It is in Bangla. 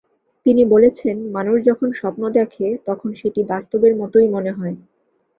তিনি বলেছেন, মানুষ যখন স্বপ্ন দেখে, তখন সেটি বাস্তবের মতোই মনে হয়।